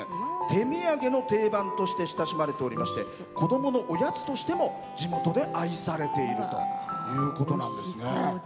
手土産の定番として親しまれておりまして子どものおやつとしても地元で愛されているということなんですね。